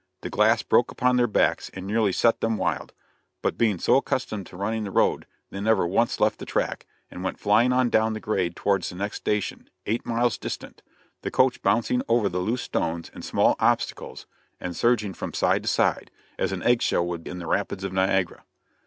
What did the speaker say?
The glass broke upon their backs and nearly set them wild, but being so accustomed to running the road, they never once left the track, and went flying on down the grade towards the next station, eight miles distant, the coach bouncing over the loose stones and small obstacles, and surging from side to side, as an eggshell would in the rapids of Niagara.